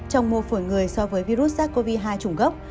trong mô phổi người so với virus sars cov hai chủng gốc